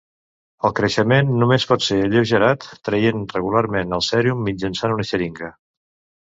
El creixement només pot ser alleugerat traient regularment el sèrum mitjançant una xeringa.